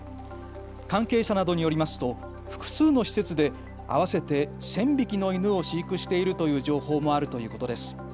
関係者などによりますと複数の施設で合わせて１０００匹の犬を飼育しているという情報もあるということです。